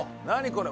これ。